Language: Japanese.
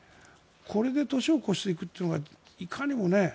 これで年を越していくというのはいかにもね。